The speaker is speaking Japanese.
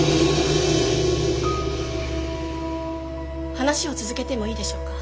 話を続けてもいいでしょうか。